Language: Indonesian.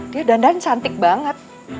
dia dandan cantik banget